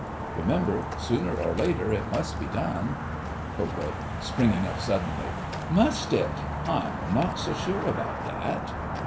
Remember, sooner or later it must be done. KO. (springing up suddenly). Must it? I'm not so sure about that!